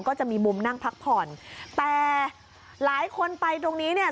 ก็จะมีมุมนั่งพักผ่อนแต่หลายคนไปตรงนี้เนี่ย